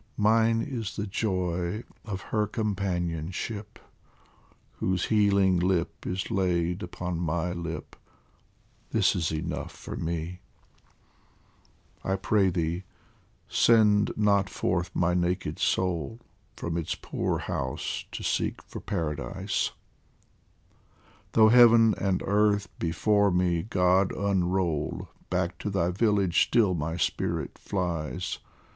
Mine is the joy of her companionship Whose healing lip is laid upon my lip This is enough for me ! 73 POEMS FROM THE I pray thee send not forth my naked soul From its poor house to seek for Paradise ; Though heaven and earth before me God unroll, Back to thy village still my spirit flies.